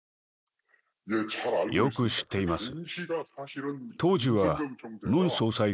よく知っています。